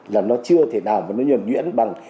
là nó chưa thể nào mà nó nhuẩn nhuyễn bằng